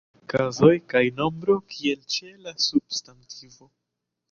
Kazoj kaj nombroj kiel ĉe la substantivo.